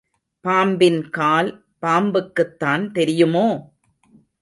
பாம்பின் கால் பாம்புக்குத்தான் தெரியுமோ?